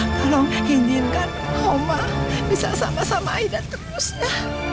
tolong izinkan oma bisa sama sama aida terus ya